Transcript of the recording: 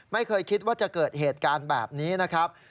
ไม่เคยคิดว่าจะเกิดเหตุการณ์แบบนี้นะครับ